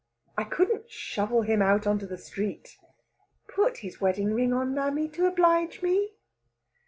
"I couldn't shovel him out into the street." "Put his wedding ring on, mammy, to oblige me!"